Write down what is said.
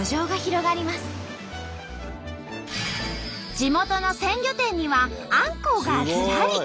地元の鮮魚店にはあんこうがずらり。